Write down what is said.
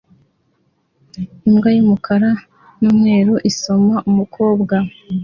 Imbwa y'umukara n'umweru isoma umukobwa